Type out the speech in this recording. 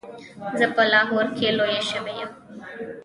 زه په لاهور کې لویه شوې یم.